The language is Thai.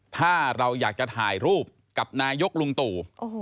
ถ้าเราอยากจะถ่ายรูปกับนายกลุงตู่